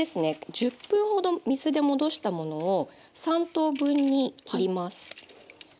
１０分ほど水で戻したものを３等分に切ります。